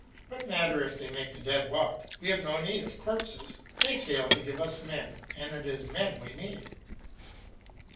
What matter if they make the dead walk, we have no need of corpses; they fail to give us men, and it is men we need.